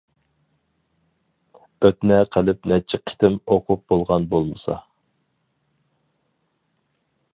ئۆتنە قىلىپ نەچچە قېتىم ئوقۇپ بولغان بولمىسا.